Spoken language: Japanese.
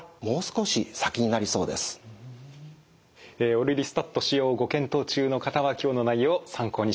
オルリスタット使用をご検討中の方は今日の内容を参考にしてください。